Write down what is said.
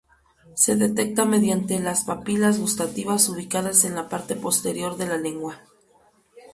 Se detecta mediante las papilas gustativas ubicadas en la parte posterior de la lengua.